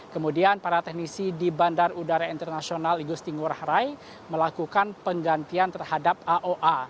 kemudian para teknisi di bandar udara internasional igusti ngurah rai melakukan penggantian terhadap aoa